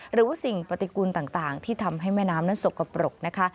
หรือว่าสิ่งปฏิกุลต่างที่ทำให้แม่น้ำนั้นสกปรกนะคะ